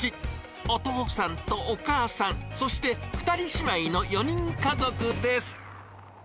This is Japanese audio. お父さんとお母さん、そして２人姉妹の４人家族です。